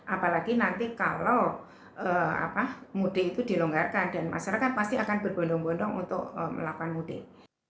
apalagi nanti kalau mudik itu dilonggarkan dan masyarakat pasti akan berbondong bondong untuk melakukan mudik